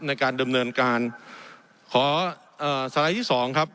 ในการดำเนินการขอเอ่อสไลด์ที่สองครับ